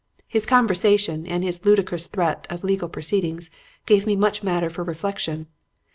"His conversation and his ludicrous threat of legal proceedings gave me much matter for reflection.